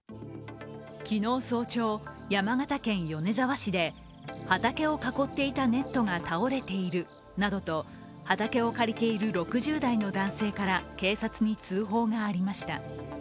昨日早朝、山形県米沢市で畑を囲っていたネットが倒れているなどと畑を借りている６０代の男性から警察に通報がありました。